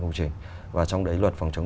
công trình và trong đấy luật phòng chống